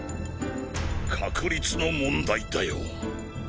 確率の問題だよ。